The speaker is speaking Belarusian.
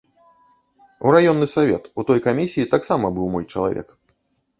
У раённы савет, у той камісіі, таксама быў мой чалавек.